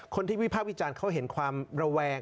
คนที่วิพากษ์วิจารณ์เขาเห็นความระแวง